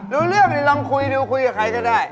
ร่วมเรื่องเริ่มลำคุยดูคุยกับใครจะได้